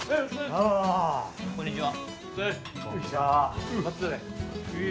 あっこんにちは。